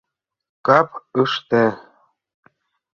Кап ыште!